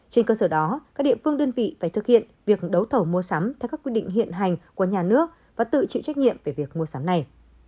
trên cơ sở đó các địa phương đơn vị phải thực hiện việc đấu thầu mua sắm theo các quy định hiện hành của nhà nước và tự chịu trách nhiệm về việc mua sắm này